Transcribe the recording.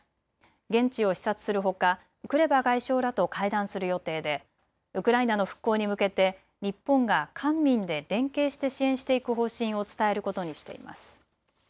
現地を視察するほかクレバ外相らと会談する予定でウクライナの復興に向けて日本が官民で連携して支援していく方針を伝えることにしています。